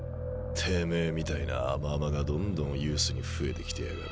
てめえみたいな甘々がどんどんユースに増えてきてやがる。